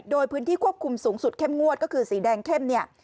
โดยพื้นที่ควบคุมสูงสุดเข้มงวดก็คือสีแดงเข้มเนี่ย